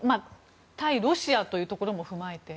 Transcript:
対ロシアというところも踏まえて。